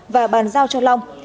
và bàn giao cho long